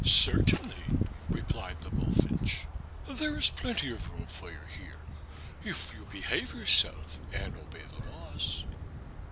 "Certainly," replied the bullfinch. "There is plenty of room for you here if you behave yourself and obey the laws."